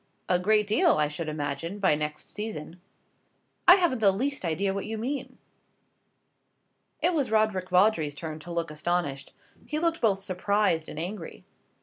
"A great deal, I should imagine, by next season." "I haven't the least idea what you mean." It was Roderick Vawdrey's turn to look astonished. He looked both surprised and angry.